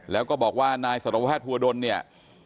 แล้วก็บอกว่านายสตรวภาพภูอดลเนี่ย